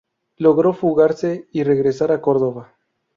Logró fugarse y regresar a Córdoba.